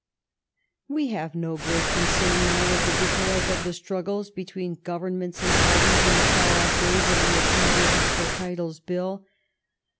We have no great concern now with the details of the struggles between governments and parties in the far off days of the Ecclesiastical Titles Bill.